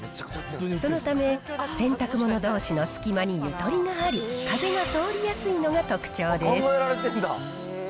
そのため、洗濯物どうしの隙間にゆとりがあり、風が通りやすいのが特徴です。